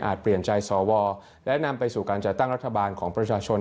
เปลี่ยนใจสวและนำไปสู่การจัดตั้งรัฐบาลของประชาชน